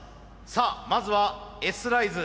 さあまずはＳライズ